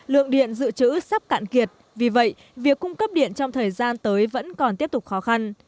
lượng điện dự trữ sắp cạn kiệt vì vậy việc cung cấp điện trong thời gian tới vẫn còn tiếp tục khó khăn